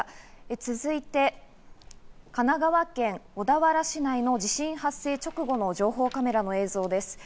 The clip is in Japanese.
続いて神奈川県小田原市内の地震発生直後の情報カメラの映像です。